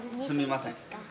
すみません。